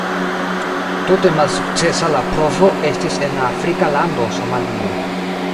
Tute malsukcesa la provo estis en la afrika lando Somalio.